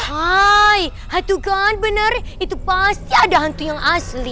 hai hatukan bener itu pasti ada hantu yang asli